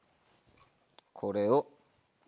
これを。